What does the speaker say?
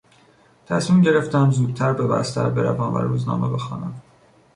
تصمیم گرفتم زودتر به بستر بروم و روزنامه بخوانم.